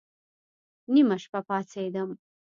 نيمه شپه پاڅېدم.